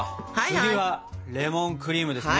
次はレモンクリームですね。